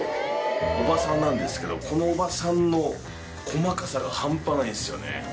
おばさんなんですけど、このおばさんの細かさが半端ないんですよね。